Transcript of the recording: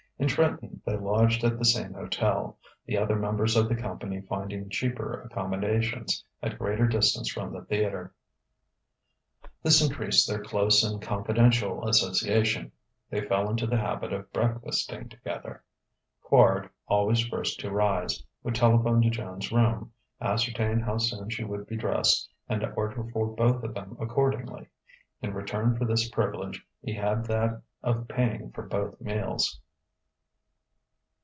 In Trenton they lodged at the same hotel, the other members of the company finding cheaper accommodations at greater distance from the theatre. This increased their close and confidential association. They fell into the habit of breakfasting together. Quard, always first to rise, would telephone to Joan's room, ascertain how soon she would be dressed, and order for both of them accordingly. In return for this privilege he had that of paying for both meals.